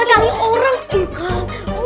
jarinya indra butut